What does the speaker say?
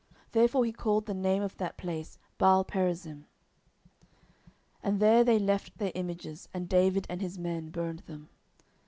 Therefore he called the name of that place Baalperazim. 10:005:021 And there they left their images, and David and his men burned them.